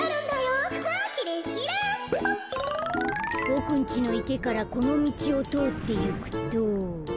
ボクんちのいけからこのみちをとおっていくと。